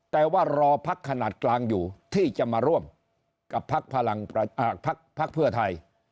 แต่ว่ารอพักขนาดกลางอยู่ที่จะมาร่วมกับพักพลังพักเพื่อไทย